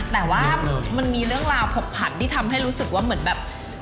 แต่ว่ามันมีเรื่องราวผกผันที่ทำให้รู้สึกว่าเหมือนแบบ